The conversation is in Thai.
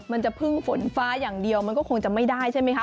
มันจะพึ่งฝนฟ้าอย่างเดียวมันก็คงจะไม่ได้ใช่ไหมคะ